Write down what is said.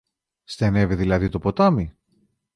Στενεύει δηλαδή το ποτάμι;